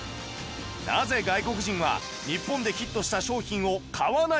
なぜ外国人は日本でヒットした商品を買わないのか？